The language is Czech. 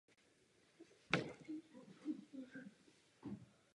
World Rally Car je speciální skupina vytvořená v druhé polovině devadesátých let.